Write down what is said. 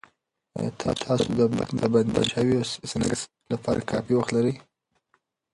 ایا تاسو د بستهبندي شويو سنکس لپاره کافي وخت لرئ؟